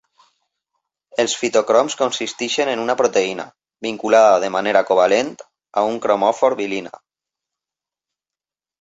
Els fitocroms consisteixen en una proteïna, vinculada de manera covalent a un cromòfor bilina.